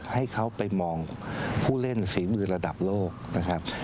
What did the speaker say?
ให้เขาไปมองผู้เล่นฝีมือระดับโลกนะครับ